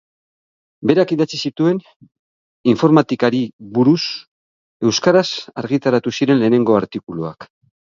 Berak idatzi zituen informatikari buruz euskaraz argitaratu ziren lehenengo artikuluak.